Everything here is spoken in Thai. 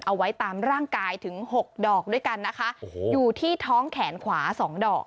เอาไว้ตามร่างกายถึงหกดอกด้วยกันนะคะโอ้โหอยู่ที่ท้องแขนขวาสองดอก